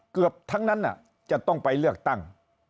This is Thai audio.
เกือบทั้งนั้นจะต้องไปเลือกตั้ง